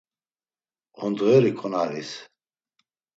Ondğeri ǩonaris.